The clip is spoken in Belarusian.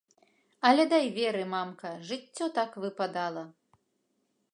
Але дай веры, мамка, жыццё так выпадала.